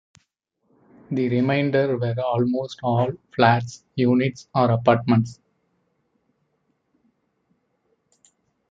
The remainder were almost all flats, units or apartments.